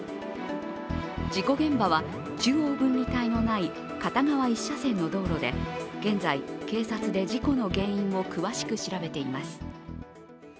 事故現場は、中央分離帯のない片側一車線の道路で、現在、警察で事故の原因を詳しく調べています。